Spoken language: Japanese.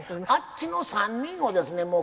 あっちの３人をですね